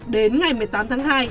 đến ngày một mươi tám tháng hai